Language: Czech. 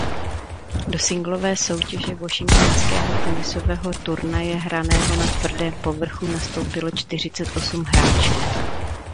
Do singlové soutěže washingtonského tenisového turnaje hraného na tvrdém povrchu nastoupilo čtyřicet osm hráčů.